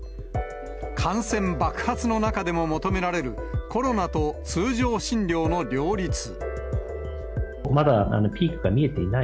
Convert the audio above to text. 感染爆発の中でも求められる、コロナと通常診療の両立。